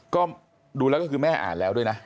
ก็ดูแล้วก็คือแม่อ่านแล้วด้วยนะ